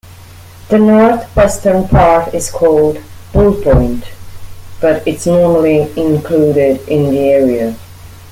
The north-western part is called Bull Point, but is normally included in the area.